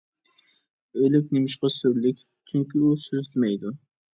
ئۆلۈك نېمىشقا سۈرلۈك؟ چۈنكى ئۇ سۆزلىمەيدۇ.